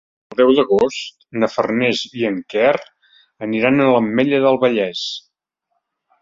El deu d'agost na Farners i en Quer aniran a l'Ametlla del Vallès.